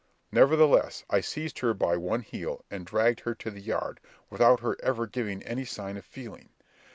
Nevertheless, I seized her by one heel, and dragged her to the yard, without her ever giving any sign of feeling.